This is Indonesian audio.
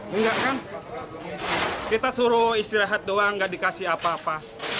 enggak kan kita suruh istirahat saja tidak diberikan apa apa